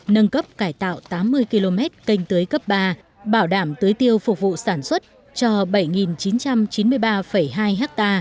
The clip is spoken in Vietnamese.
nâng cấp cải tạo tám mươi km canh tưới cấp ba bảo đảm tưới tiêu phục vụ sản xuất cho bảy chín trăm chín mươi ba hai ha